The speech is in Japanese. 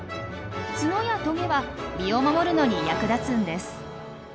ツノやトゲは身を守るのに役立つんです。